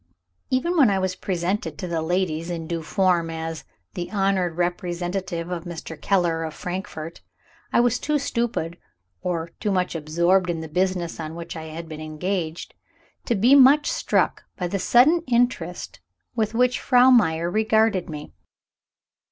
Even when I was presented to the ladies in due form, as "the honored representative of Mr. Keller, of Frankfort," I was too stupid, or too much absorbed in the business on which I had been engaged, to be much struck by the sudden interest with which Frau Meyer regarded me.